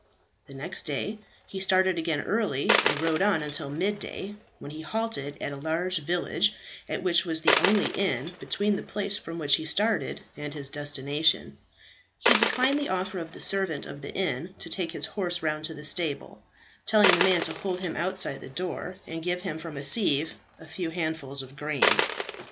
The next day he started again early, and rode on until mid day, when he halted at a large village, at which was the only inn between the place from which he started and his destination. He declined the offer of the servant of the inn to take his horse round to the stable, telling the man to hold him outside the door and give him from a sieve a few handfuls of grain.